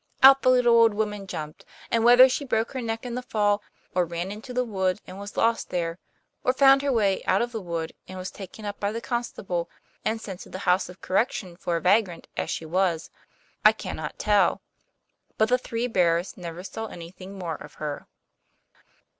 Out the little old woman jumped; and whether she broke her neck in the fall, or ran into the wood and was lost there, or found her way out of the wood and was taken up by the constable and sent to the House of Correction for a vagrant as she was, I cannot tell. But the Three Bears never saw anything more of her.